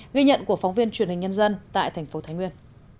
ghi nhận của phóng viên truyền hình nhân dân tại tp thái nguyên